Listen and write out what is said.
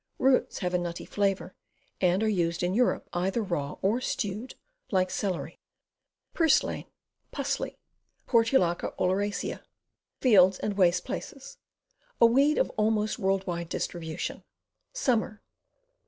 Roots have a nutty flavor, and are used in Europe either raw or stewed, like celery. 248 CAMPING AND WOODCRAFT PuESLANE. Pussley. Portulaca oleracea. Fields and waste places. A weed of almost world wide distribution. Summer.